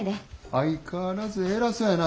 相変わらず偉そやな